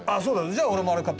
じゃあ俺もあれ買っとこ。